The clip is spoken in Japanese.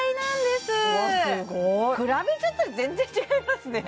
すごい比べちゃったら全然違いますね